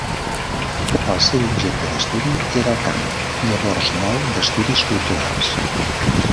El seu objecte d'estudi era el camp llavors nou d'estudis culturals.